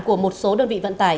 của một số đơn vị vận tải